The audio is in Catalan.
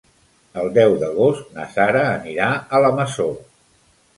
El deu d'agost na Sara anirà a la Masó.